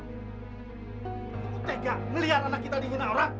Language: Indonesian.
kamu tega ngeliat anak kita dihina orang